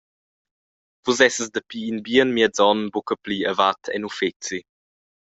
Vus essas dapi in bien miez onn buca pli avat en uffeci.